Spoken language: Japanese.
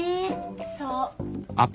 そう。